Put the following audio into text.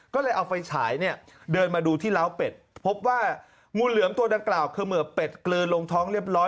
ก็เลยเอาไฟฉายเนี่ยเดินมาดูที่ล้าวเป็ดพบว่างูเหลือมตัวดังกล่าวคือเหมือบเป็ดกลืนลงท้องเรียบร้อย